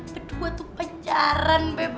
berdua tuh pacaran beb